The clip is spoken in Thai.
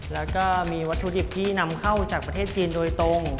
แล้วก็มีวัตถุดิบที่นำเข้าจากประเทศจีนโดยตรง